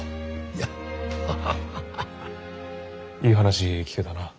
いい話聞けたな。